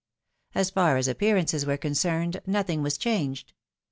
As far as appearances were concerned, nothing was changed.